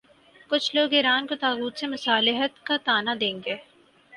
کچھ لوگ ایران کو طاغوت سے مصالحت کا طعنہ دیں گے۔